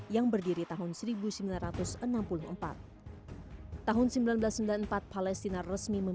yang berada di kota sioria